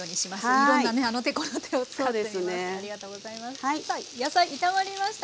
ありがとうございます。